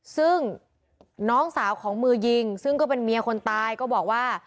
ซึ่งน้องสาวของมือยิงซึ่งก็เป็นเมียคนตายก็บอกว่า